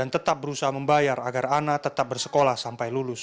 tetap berusaha membayar agar ana tetap bersekolah sampai lulus